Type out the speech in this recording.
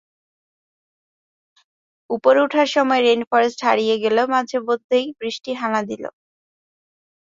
ওপরে ওঠার সময় রেইন ফরেস্ট হারিয়ে গেল এবং মাঝেমধ্যেই বৃষ্টি হানা দিল।